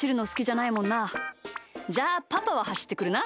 じゃあパパははしってくるな。